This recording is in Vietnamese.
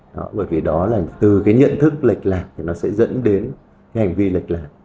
đó bởi vì đó là từ cái nhận thức lệch lạc thì nó sẽ dẫn đến cái hành vi lệch lạc